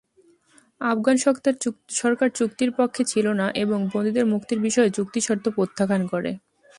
আফগান সরকার চুক্তির পক্ষে ছিল না এবং বন্দীদের মুক্তির বিষয়ে চুক্তির শর্ত প্রত্যাখ্যান করে।